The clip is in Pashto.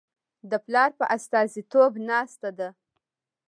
د پلار په استازیتوب ناسته ده.